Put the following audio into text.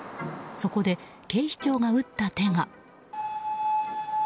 そこで警視庁が打った手が。